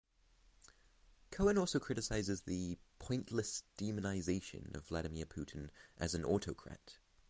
Cohen also criticises the "pointless demonization" of Vladimir Putin as an "autocrat".